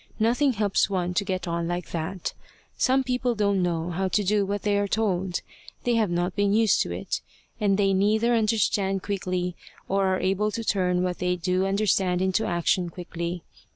Nothing helps one to get on like that. Some people don't know how to do what they are told; they have not been used to it, and they neither understand quickly nor are able to turn what they do understand into action quickly.